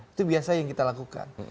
itu biasa yang kita lakukan